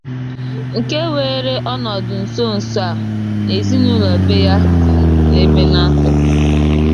nke weere ọnọdụ nso-nso a n'ezinụlọ be ya dị n'Ebenatọr